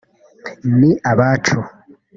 ni abacu